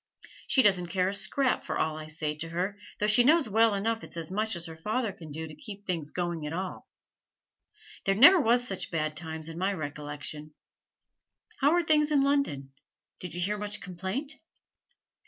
She doesn't care a scrap for all I say to her, though she knows well enough it's as much as her father can do to keep things going at all. There never was such bad times in my recollection! How are things in London? Did you hear much complaint?'